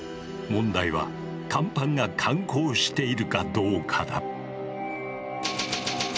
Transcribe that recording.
問題は乾板が感光しているかどうかだ。